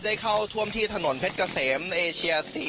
เข้าท่วมที่ถนนเพชรเกษมเอเชีย๔